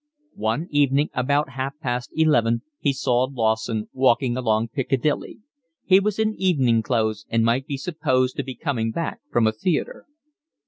One evening about half past eleven he saw Lawson, walking along Piccadilly; he was in evening clothes and might be supposed to be coming back from a theatre.